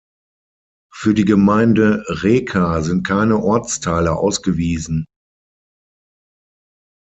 Für die Gemeinde Řeka sind keine Ortsteile ausgewiesen.